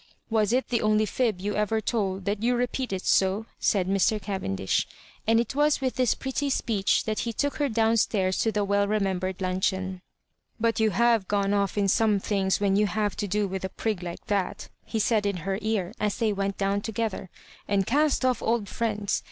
"Was it the only fib you ever told that you repeat it so?" said Mr. Cavendish; and it was with this pretty speech that he took her down stairs to the well remembered luncheon. " But Digitized by VjOOQIC uo MISS lIABJOBIBANEa you kave gone off in some things when you have to do with a prig like that," he said in her ear, as they went down together, "and cast off old friends.